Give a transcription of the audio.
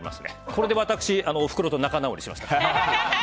これで私、おふくろと仲直りしました。